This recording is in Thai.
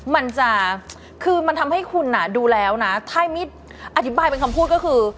มันจะคือมันทำให้คุณดูแล้วนะถ้ามิดอธิบายเป็นคำพูดก็คือ